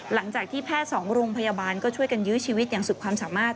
หลังจากที่แพทย์สองโรงพยาบาลก็ช่วยกันยื้อชีวิตอย่างสุดความสามารถ